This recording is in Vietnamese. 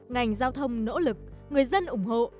ngành giao thông nỗ lực người dân ủng hộ